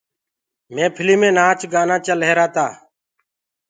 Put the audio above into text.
مهڦلي مينٚ نآچ گآنو چل رهيرو تو۔